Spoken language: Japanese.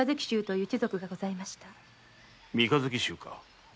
三日月衆か？